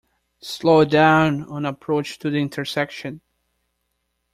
Slow down on approach to the intersection.